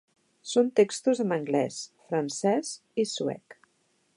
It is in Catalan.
Són textos en anglès, francès i suec.